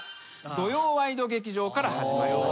『土曜ワイド劇場』から始まりました。